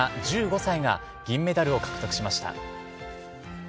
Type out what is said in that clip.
１５歳が銀メダルを獲得しました。